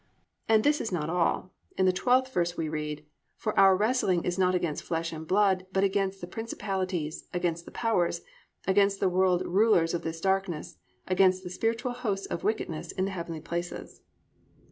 And this is not all: in the 12th verse we read: +(12) "For our wrestling is not against flesh and blood, but against the principalities, against the powers, against the world rulers of this darkness, against the spiritual hosts of wickedness in the heavenly places."